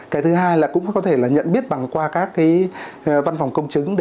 cái thứ hai là cũng có thể là nhận biết bằng qua các cái văn phòng công chứng